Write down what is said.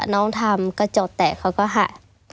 น้องทำก็โจทย์แตะเขาก็หัก